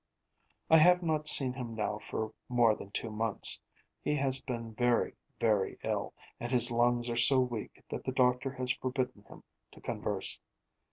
I have not seen him now for more than two months. He has been very, very ill; and his lungs are so weak that the doctor has forbidden him to converse.